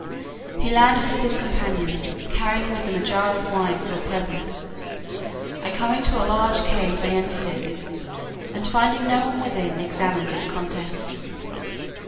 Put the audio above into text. He landed with his companions, carrying with them a jar of wine for a present, and coming to a large cave they entered it, and finding no one within examined its contents.